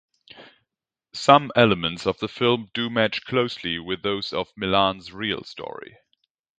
Some elements of the film do match closely with those of Milan's real story.